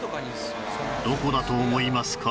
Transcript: どこだと思いますか？